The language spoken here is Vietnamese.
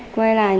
quay lại nữa